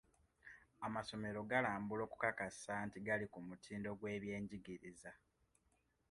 Amasomero galambulwa okukakasa nti gali ku mutindo gw'ebyenjigiriza.